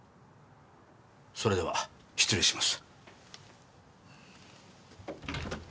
それでは失礼します。